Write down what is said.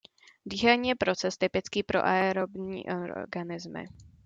Dýchání je proces typický pro aerobní organismy.